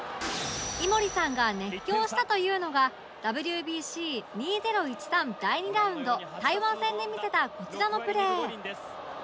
井森さんが熱狂したというのが ＷＢＣ２０１３ 第２ラウンド台湾戦で見せたこちらのプレー